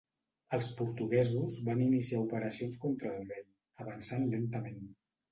Els portuguesos van iniciar operacions contra el rei, avançant lentament.